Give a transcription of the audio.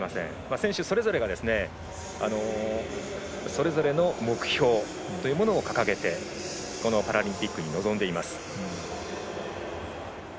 選手それぞれがそれぞれの目標というものを掲げてこのパラリンピックに臨んでいます。